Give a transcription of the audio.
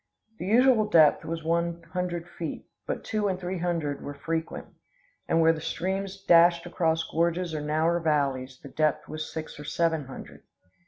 The usual depth was one hundred feet; but two and three hundred were frequent; and where the streams dashed across gorges or narrow valleys the depth was six or seven hundred.